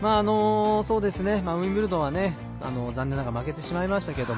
ウィンブルドンは残念ながら負けてしまいましたけど